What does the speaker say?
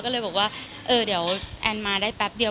ก็เลยบอกว่าเออเดี๋ยวแอนมาได้แป๊บเดียว